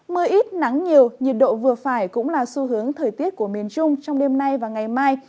mưa ít nắng nhiều nhiệt độ vừa phải cũng là xu hướng thời tiết của miền trung trong đêm nay và ngày mai